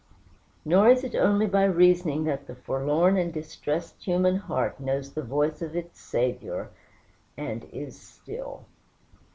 Nor is it only by reasoning that the forlorn and distressed human heart knows the voice of its Saviour, and is still.